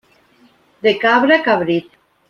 De cabra, cabrit.